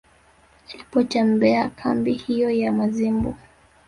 Alipotembelea kambi hiyo ya Mazimbu